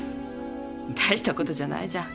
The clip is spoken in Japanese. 大したことじゃないじゃん。